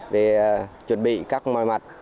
về chuẩn bị các mọi mặt